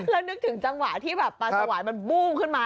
แล้วนึกถึงจังหวะที่แบบปลาสวายมันมุ่งขึ้นมา